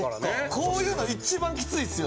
こういうの一番きついですよね。